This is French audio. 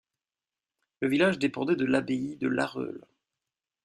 Le village dépendait de l'abbaye de Larreule.